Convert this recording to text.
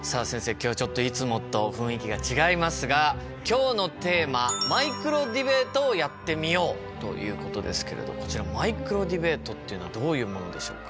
今日はちょっといつもと雰囲気が違いますが今日のテーマということですけれどこちらマイクロディベートっていうのはどういうものでしょうか？